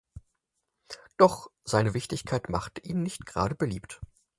Doch seine Wichtigkeit machte ihn nicht gerade beliebt.